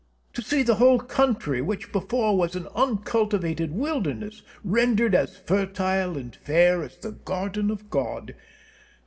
To see the whole country, which before was an uncultivated wilderness, rendered as fertile and fair as the garden of God!